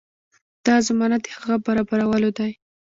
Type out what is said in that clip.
دا ضمانت د هغه برابرولو دی.